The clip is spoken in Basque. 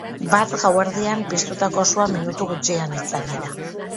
Bart gauerdian piztutako sua minutu gutxian itzali da.